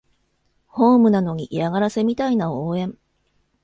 ホームなのに嫌がらせみたいな応援